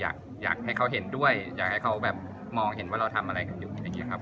ทำอะไรกันอยู่อย่างเงี้ยครับผมก็พาไปสรุปสรรคบางอย่างเงี้ยครับ